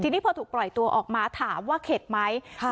ทีนี้พอถูกปล่อยตัวออกมาถามว่าเข็ดไหม